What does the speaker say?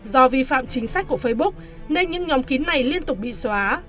do vi phạm chính sách của facebook nên những nhóm kín này liên tục bị xóa